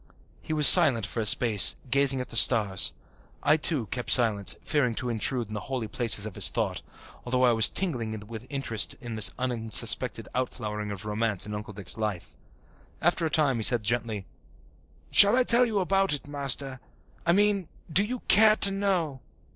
He was silent for a space, gazing at the stars. I too kept silence, fearing to intrude into the holy places of his thought, although I was tingling with interest in this unsuspected outflowering of romance in Uncle Dick's life. After a time he said gently, "Shall I tell you about it, Master? I mean, do you care to know?"